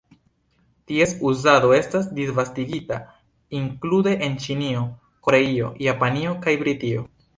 Ties uzado estas disvastigita, inklude en Ĉinio, Koreio, Japanio kaj Britio.